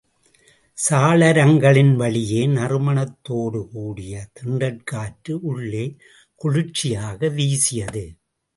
சாளரங்களின் வழியே நறுமணத்தோடு கூடிய தென்றற் காற்று உள்ளே குளிர்ச்சியாக வீசியது.